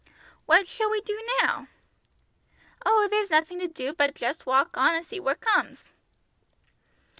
"What shall we do now?" "Oh, there's nothing to do but just walk on and see what comes."